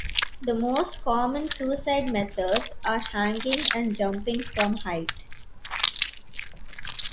The most common suicide methods are hanging and jumping from height.